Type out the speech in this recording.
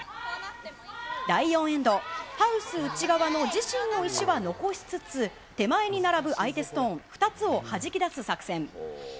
第４エンド、ハウス内側の自身の石は残しつつ、手前に並ぶ相手ストーン２つをはじき出す作戦。